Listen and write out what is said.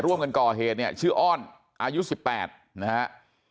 ร่วมกันก่อเหตุเนี่ยชื่ออ้อนอายุ๑๘นะฮะ